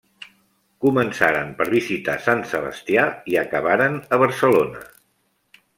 Començaren per visitar Sant Sebastià i acabaren a Barcelona.